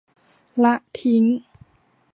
ละทิ้ง